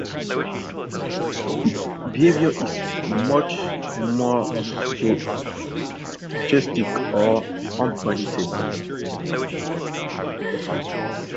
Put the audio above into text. Its behavior is much more stochastic or unpredictable.